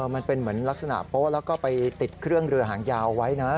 มันเป็นเหมือนลักษณะโป๊ะแล้วก็ไปติดเครื่องเรือหางยาวไว้นะ